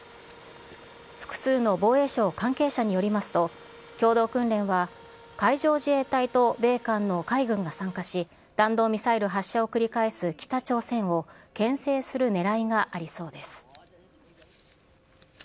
複数の防衛省関係者によりますと、共同訓練は海上自衛隊と米韓の海軍が参加し、弾道ミサイル発射を繰り返す北朝鮮をけん制するねらいがありそうです。